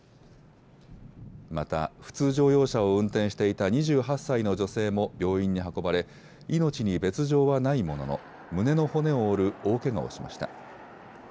また普通乗用車を運転していた２８歳の女性も病院に運ばれ命に別状はないものの胸の骨を折る大けがをしました。